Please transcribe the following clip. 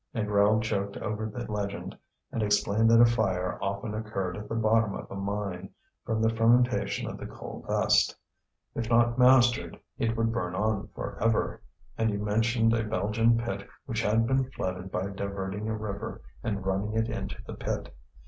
Négrel joked over the legend, and explained that a fire often occurred at the bottom of a mine from the fermentation of the coal dust; if not mastered it would burn on for ever, and he mentioned a Belgian pit which had been flooded by diverting a river and running it into the pit.